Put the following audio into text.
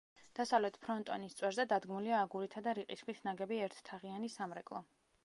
დასავლეთ ფრონტონის წვერზე დადგმულია აგურითა და რიყის ქვით ნაგები, ერთთაღიანი სამრეკლო.